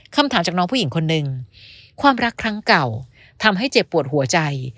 คำถามจากน้องผู้หญิงคนหนึ่งความรักครั้งเก่าทำให้เจ็บปวดหัวใจ